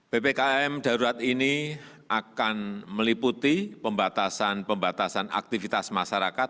ppkm darurat ini akan meliputi pembatasan pembatasan aktivitas masyarakat